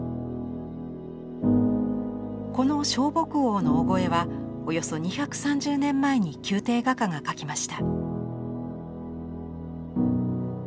この尚穆王の「御後絵」はおよそ２３０年前に宮廷画家が描きました。